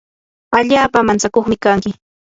allaapa mantsakuqmi kanki.